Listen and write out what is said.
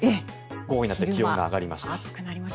午後になって気温が上がりました。